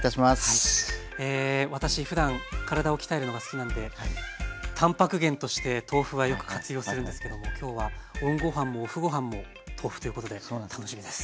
え私ふだん体を鍛えるのが好きなんでたんぱく源として豆腐はよく活用するんですけども今日はＯＮごはんもＯＦＦごはんも豆腐ということで楽しみです。